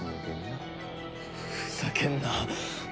ふざけんな。